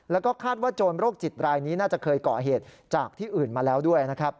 แล้วก็คาดว่าโจรโรคจิตรายนี้น่าจะเคยเกาะเหตุจากที่อื่นมาแล้วด้วยนะครับ